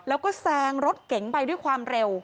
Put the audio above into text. แล้วก็แซงรถเก๋งไปด้วยความเร็ว